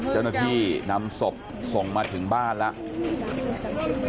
เจ้าหน้าที่นำศพส่งมาถึงบ้านแล้ว